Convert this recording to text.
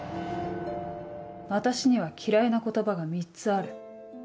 私には嫌いな言葉が３つある。